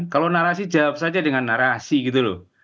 kalau narasi jawab saja dengan narasi gitu loh